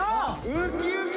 ウキウキ！